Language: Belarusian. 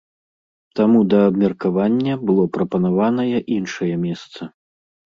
Таму да абмеркавання было прапанаванае іншае месца.